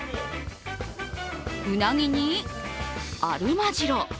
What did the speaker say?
うなぎに、アルマジロ。